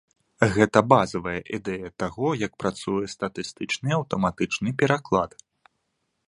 Гэта базавая ідэя таго, як працуе статыстычны аўтаматычны пераклад.